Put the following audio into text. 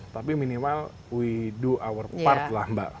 tapi minimal we do our part lah mbak